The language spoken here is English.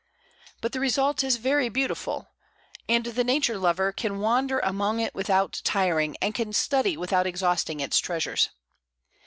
But the result is very beautiful, and the nature lover can wander among it without tiring, and can study without exhausting its treasures.